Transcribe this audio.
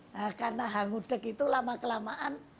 nah karena hangudeg itu lama kelamaan